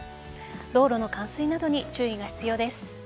道路の冠水などに注意が必要です。